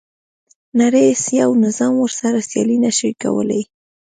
نړۍ هیڅ یو نظام ورسره سیالي نه شوه کولای.